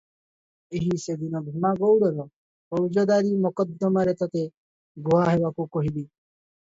ଏହି ସେଦିନ ଭୀମା ଗଉଡ଼ର ଫୌଜଦାରୀ ମକଦ୍ଦମାରେ ତୋତେ ଗୁହା ହେବାକୁ କହିଲି